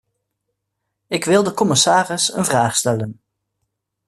Ik wil de commissaris een vraag stellen.